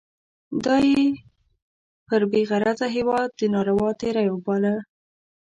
دا یې پر بې غرضه هیواد ناروا تېری باله.